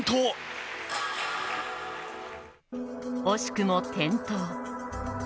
惜しくも転倒。